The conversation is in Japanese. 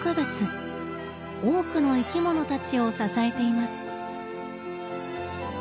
多くの生きものたちを支えています。